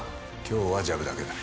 今日はジャブだけだ。